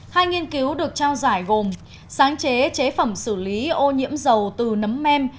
hai nghiên cứu được trao giải gồm sáng chế chế phẩm xử lý ô nhiễm dầu từ nấm mem